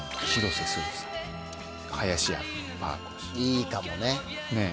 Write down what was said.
いいかもね。ねぇ。